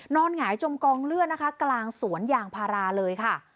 หงายจมกองเลือดนะคะกลางสวนยางพาราเลยค่ะ